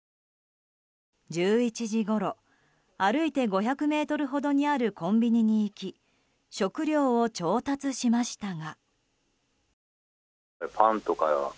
１１時ごろ歩いて５００ｍほどにあるコンビニに行き食料を調達しましたが。